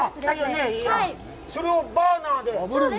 それをバーナーで。